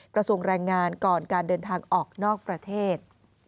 กระทรวงแรงงานก่อนการเดินทางออกนอกประเทศ